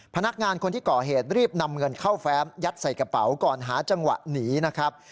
พนักงานคนที่ก่อเหตุรีบนำเงินเข้าแฟ้มยัดใส่กระเป๋าก่อนหาจังหวะหนีนะครับ